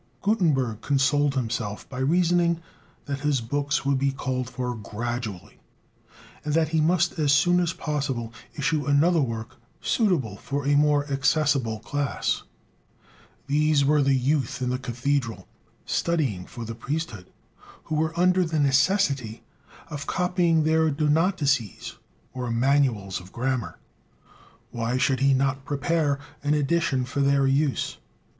Gutenberg consoled himself by reasoning that his books would be called for gradually, and that he must as soon as possible issue another work suitable for a more accessible class. These were the youth in the Cathedral, studying for the priesthood, who were under the necessity of copying their "Donatuses," or manuals of grammar. Why should he not prepare an edition for their use?